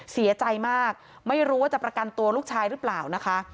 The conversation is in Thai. เสียใจมากไม่รู้ว่าจะประกันตัวลูกชายหรือเปล่านะคะ